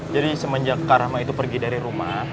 jadi semenjak karama itu pergi dari rumah